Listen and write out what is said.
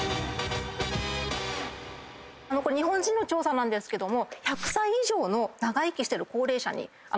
これ日本人の調査なんですけども。